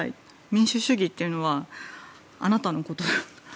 民主主義というのはあなたのことだと。